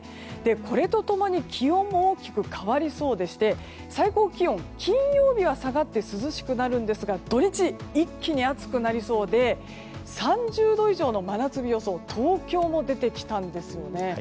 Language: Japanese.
これと共に気温も大きく変わりそうでして最高気温、金曜日は下がって涼しくなるんですが土日一気に暑くなりそうで３０度以上の真夏日予想東京も出てきたんですよね。